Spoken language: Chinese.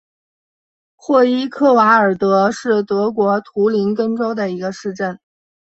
霍伊克瓦尔德是德国图林根州的一个市镇。